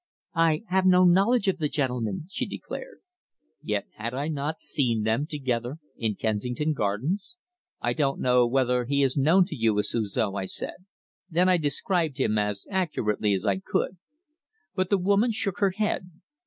"I have no knowledge of the gentleman," she declared. Yet had I not seen them together in Kensington Gardens? "I don't know whether he is known to you as Suzor," I said. Then I described him as accurately as I could. But the woman shook her head.